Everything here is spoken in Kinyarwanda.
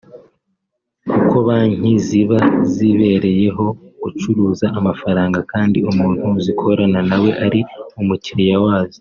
kuko banki ziba zibereyeho gucuruza amafaranga kandi umuntu zikorana na we ari umukiriya wazo